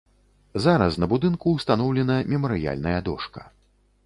Зараз на будынку ўстаноўлена мемарыяльная дошка.